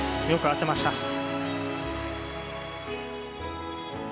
よく合っていました。